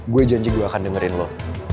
gue janji gue akan dengerin lo